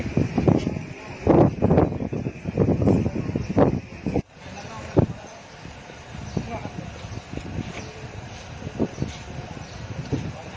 ถ้าไม่ได้ขออนุญาตมันคือจะมีโทษ